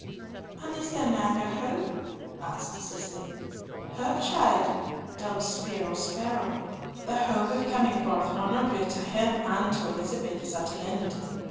"And is there now no hope?" asked Cicely. "Hope, child? Dum spiro, spero. The hope of coming forth honourably to him and to Elizabeth is at an end.